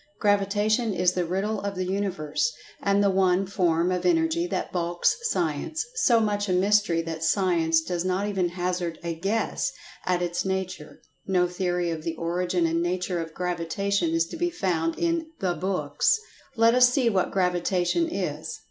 Gravitation is the Riddle of the Universe, and the one form of Energy that balks Science—so much a mystery that Science does not even hazard a "guess" at its nature—no theory of the origin and nature of Gravitation is to be found in "the books." Let us see what Gravitation is.